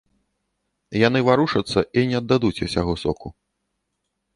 Яны варушацца і не аддадуць усяго соку.